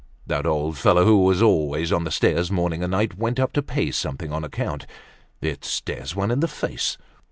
That old fellow, who was always on the stairs morning and night, went up to pay something on account. It stares one in the face.